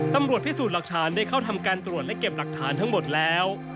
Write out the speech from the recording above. ตำรวจพิสูจน์หลักฐานได้เข้าทำการตรวจและเก็บหลักฐานทั้งหมดแล้ว